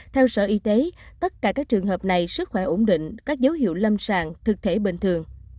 theo sở y tế tất cả các trường hợp này sức khỏe ổn định các dấu hiệu lâm sàng thực thể bình thường